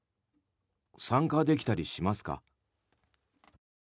参加できたりしますか？